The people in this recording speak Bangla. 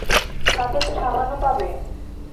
সাথে একটা সাবানও পাবে।